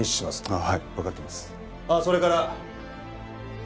ああそれから。